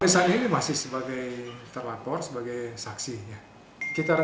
saat ini masih sebagai terlapor sebagai saksi